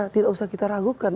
tidak usah kita ragukan